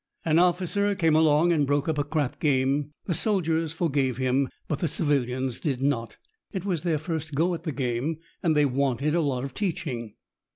An officer came along and broke up a crap game. The soldiers forgave him, but the civilians did not. It was their first go at the game, and they wanted a lot of teaching.